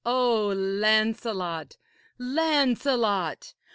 O Lancelot! Lancelot!